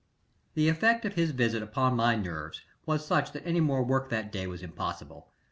The effect of his visit upon my nerves was such that any more work that day was impossible.